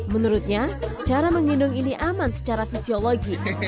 menurutnya cara mengindong ini aman secara fisiologi